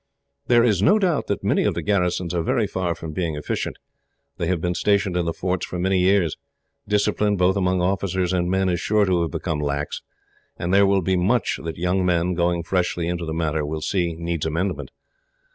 "There is no doubt that many of the garrisons are very far from being efficient. They have been stationed in the forts for many years. Discipline, both among officers and men, is sure to have become lax, and there will be much that young men, going freshly into the matter, will see needs amendment.